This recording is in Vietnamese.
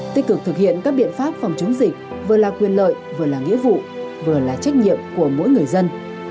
tích cực thực hiện các biện pháp phòng chống dịch vừa là quyền lợi vừa là nghĩa vụ vừa là trách nhiệm của mỗi người dân